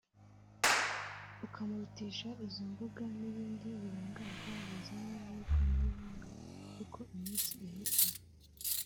ukamurutisha izo mbuga n’ibindi birangaza bizanwa n’ikoranabuhanga uko iminsi ihita